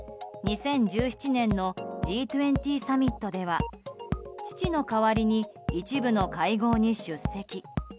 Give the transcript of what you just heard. ２０１７年のＧ２０サミットでは父の代わりに一部の会合に出席。